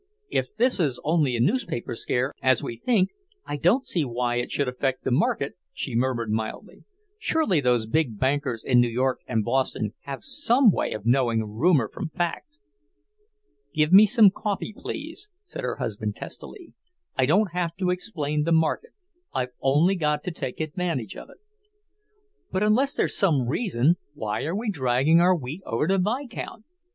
"If this is only a newspaper scare, as we think, I don't see why it should affect the market," she murmured mildly. "Surely those big bankers in New York and Boston have some way of knowing rumour from fact." "Give me some coffee, please," said her husband testily. "I don't have to explain the market, I've only got to take advantage of it." "But unless there's some reason, why are we dragging our wheat over to Vicount?